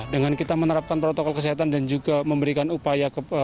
dengan kita menerapkan protokol kesehatan dan juga memberikan upaya